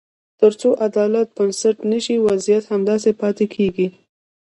تر څو عدالت بنسټ نه شي، وضعیت همداسې پاتې کېږي.